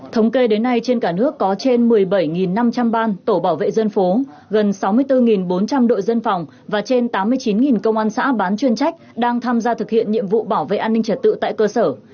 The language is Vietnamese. thống kê đến nay trên cả nước có trên một mươi bảy năm trăm linh ban tổ bảo vệ dân phố gần sáu mươi bốn bốn trăm linh đội dân phòng và trên tám mươi chín công an xã bán chuyên trách đang tham gia thực hiện nhiệm vụ bảo vệ an ninh trật tự tại cơ sở